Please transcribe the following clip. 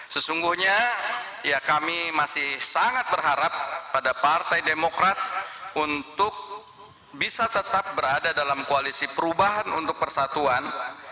sesungguhnya kami masih sangat berharap pada partai demokrat untuk bisa tetap berada dalam koalisi perubahan untuk persatuan